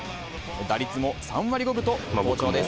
打率も３割５分と好調です。